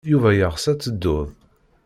Yuba yeɣs ad teddud.